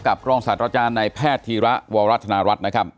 รองศาสตราจารย์ในแพทย์ธีระวรัฐนารัฐนะครับ